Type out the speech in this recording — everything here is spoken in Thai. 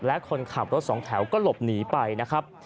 และคนขับรถสองแถวก็หลบหนีไปนะครับ